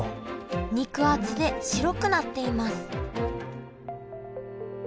肉厚で白くなっています